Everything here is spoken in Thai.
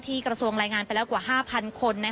กระทรวงรายงานไปแล้วกว่า๕๐๐คน